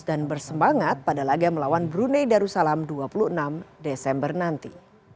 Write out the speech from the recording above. dan bersemangat pada laga melawan brunei darussalam dua puluh enam desember nanti